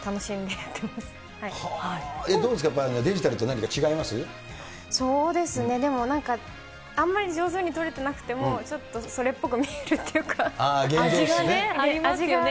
やっぱり、そうですね、でも、なんか、あんまり上手に撮れてなくても、ちょっとそれっぽく見えるっていああ、味がね、ありますよね。